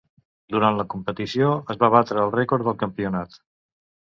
Durant la competició, es va batre el rècord del Campionat.